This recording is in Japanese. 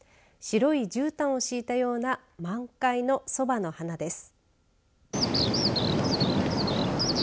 白いじゅうたんを敷いたような満開のそばの花です。